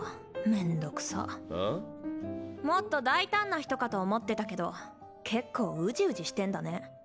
もっと大胆な人かと思ってたけど結構ウジウジしてんだね？